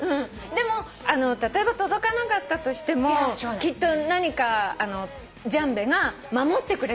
でも例えば届かなかったとしてもきっと何かジャンベが守ってくれたんだよ。